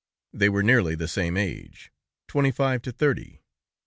They were nearly the same age, twenty five to thirty.